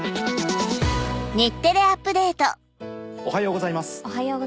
おはようございます。